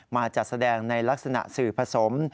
มาจัดแสดงในลักษณะสื่อผสม